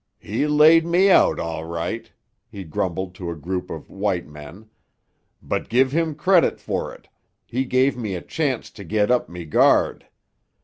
"He laid me out, all right," he grumbled to a group of "white men," "but, give him credit for it, he give me a chanct to get up me guard.